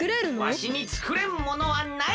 わしにつくれんものはない！